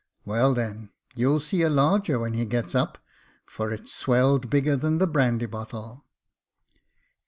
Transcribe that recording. " Well, then, you'll see a larger when he gets up, for it's swelled bigger than the brandy bottle.